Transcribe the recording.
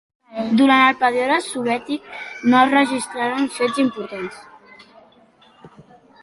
Durant el període soviètic no es registraren fets importants.